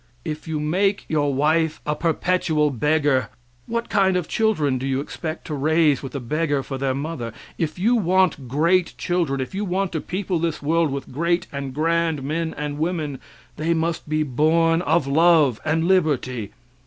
If you make your wife a perpetual beggar, what kind of children do you expect to raise with a beggar for their mother? If you want great children, if you want to people this world with great and grand men and women they must be born of love and liberty.